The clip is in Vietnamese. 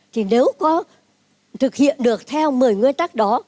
thì nếu có thực hiện được theo một mươi nguyên tắc đó